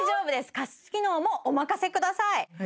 加湿機能もお任せください